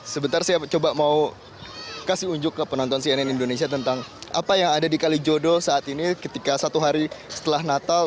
sebentar saya coba mau kasih unjuk ke penonton cnn indonesia tentang apa yang ada di kalijodo saat ini ketika satu hari setelah natal